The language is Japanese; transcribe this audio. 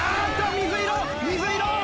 水色水色！